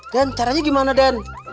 den caranya gimana den